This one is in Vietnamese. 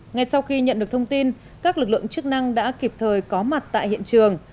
ngay sau khi nhận được thông tin các lực lượng chức năng đã kịp thời có mặt tại hiện trường